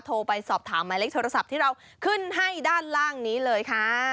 โทรไปสอบถามหมายเลขโทรศัพท์ที่เราขึ้นให้ด้านล่างนี้เลยค่ะ